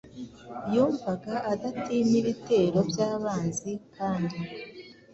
Yumvaga adatinya ibitero byabanzi kandi